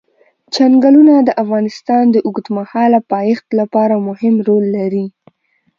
چنګلونه د افغانستان د اوږدمهاله پایښت لپاره مهم رول لري.